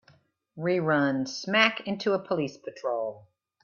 We run smack into a police patrol.